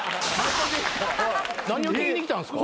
何を聞きに来たんですか？